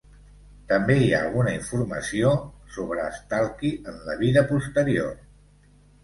També hi ha alguna informació sobre Stalky en la vida posterior.